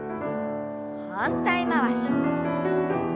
反対回し。